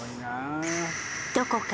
どこか